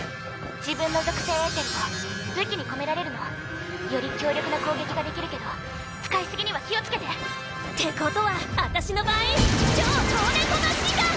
自分の属性エーテルを武器に込められるの。より強力な攻撃ができるけど使い過ぎには気を付けて！ってことは私の場合超高レートマシンガン！